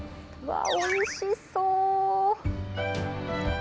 わー、おいしそう。